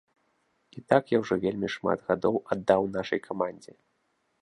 І так я ўжо вельмі шмат гадоў аддаў нашай камандзе.